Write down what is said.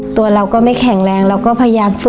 ตัวเราก็ไม่แข็งแรงเราก็พยายามฝึก